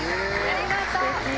ありがとう。